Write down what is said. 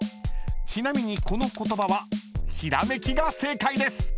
［ちなみにこの言葉は「ひらめき」が正解です］